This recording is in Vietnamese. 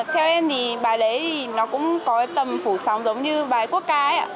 theo em thì bài đấy nó cũng có tầm phủ sóng giống như bài quốc ca ấy